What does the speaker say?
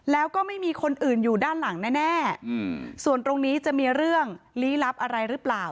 แล้วก็ไม่มีคนอื่นอยู่ด้านหลังแน่ส่วนตรงนี้จะมีเรื่องลี้ลับอะไรหรือเปล่า